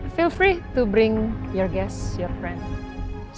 jangan risau untuk membawa para penonton para teman